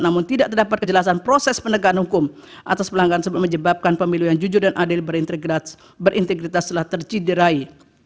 namun tidak terdapat kejelasan proses penegakan hukum atas pelanggaran menyebabkan pemilu yang jujur dan adil berintegritas telah terciderai